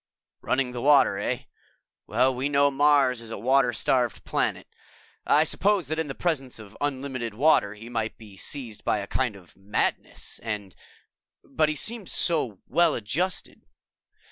"Running the water, eh? We know Mars is a water starved planet. I suppose that in the presence of unlimited water, he might be seized by a kind of madness and ... But he seemed so well adjusted."